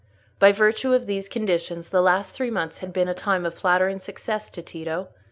By virtue of these conditions, the last three months had been a time of flattering success to Tito.